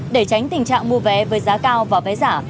để tránh tình trạng mua vé với giá cao và vé giả